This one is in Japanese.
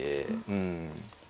うん。